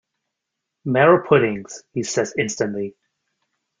"Marrow puddings," he says instantly.